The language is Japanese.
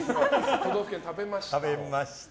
都道府県食べました。